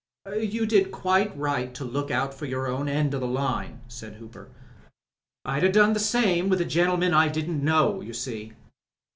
"You did quite right to look out for your own end o' the line," said Hooper. "I'd ha' done the same with a gentleman I didn't know, you see.